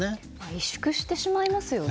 萎縮してしまいますよね